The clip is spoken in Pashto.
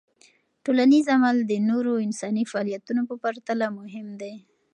ټولنیز عمل د نورو انساني فعالیتونو په پرتله مهم دی.